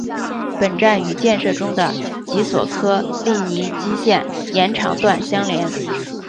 本站与建设中的及索科利尼基线延长段相连。